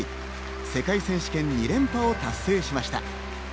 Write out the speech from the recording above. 世界選手権２連覇を達成しました。